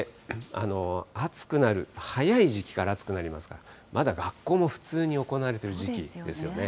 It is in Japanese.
暑くなる、早い時期から暑くなりますから、まだ学校も普通に行われてる時期ですよね。